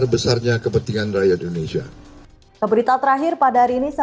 bertemu dengan presiden terpilih